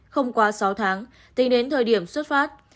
không quá sáu tháng tính đến thời điểm xuất phát